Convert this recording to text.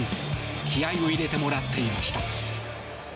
気合を入れてもらっていました。